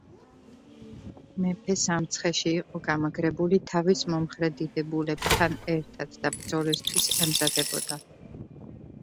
მეფე სამცხეში იყო გამაგრებული თავის მომხრე დიდებულებთან ერთად და ბრძოლისათვის ემზადებოდა.